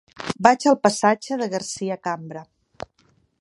Vaig al passatge de Garcia Cambra.